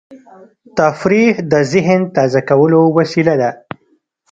تفریح د ذهن تازه کولو وسیله ده.